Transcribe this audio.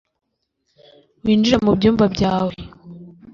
winjire mu byumba byawe e